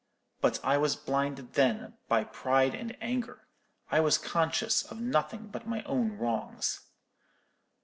But I was blinded then by pride and anger: I was conscious of nothing but my own wrongs.